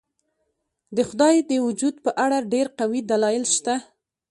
د خدای د وجود په اړه ډېر قوي دلایل شته.